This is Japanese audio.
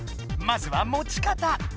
まずは持ち方。